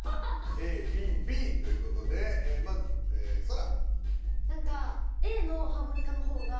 ＡＢＢということでまずソラ。